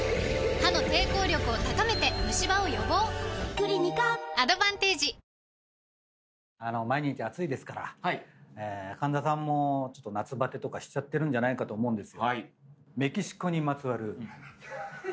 クリニカアドバンテージ毎日暑いですから神田さんも夏バテとかしちゃってるんじゃないかと思うんです。